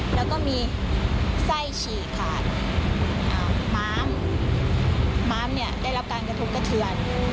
แล้วก็มีไส้ฉีกขาดม้ามม้ามเนี่ยได้รับการกระทบกระเทือน